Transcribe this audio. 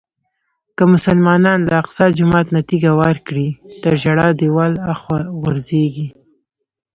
که مسلمانان له اقصی جومات نه تیږه واره کړي تر ژړا دیوال هاخوا غورځېږي.